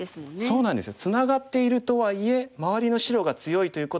そうなんですよ。